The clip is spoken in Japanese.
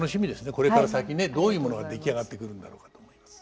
これから先ねどういうものが出来上がってくるんだろうかと思います。